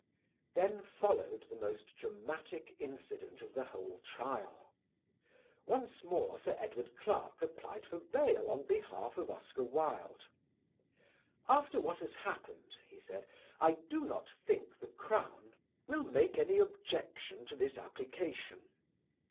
Then followed the most dramatic incident of the whole trial. Once more Sir Edward Clarke applied for bail on behalf of Oscar Wilde. "After what has happened," he said, "I do not think the Crown will make any objection to this application."